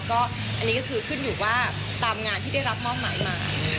ก็อันนี้ก็คือขึ้นอยู่ว่าตามงานที่ได้รับมอบหมายมา